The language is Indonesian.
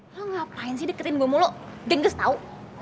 lo ngapain sih deketin gue mulu gengges tau